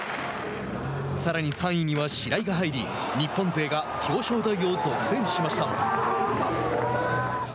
さらに３位には白井が入り日本勢が表彰台を独占しました。